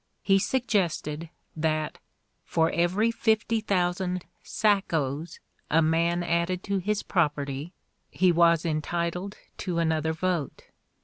He sug gested that "for every fifty thousand 'sacos' a man added to his property he was entitled to another vote."